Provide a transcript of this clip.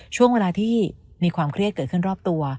ช่วงเวลาที่มีความเครียดเกิดขึ้นรอบตัว